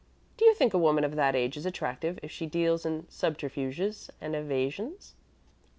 Do you think a woman of that age is attractive if she deals in subterfuges and evasions?